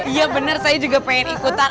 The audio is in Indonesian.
iya benar saya juga pengen ikutan